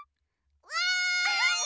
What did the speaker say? わい！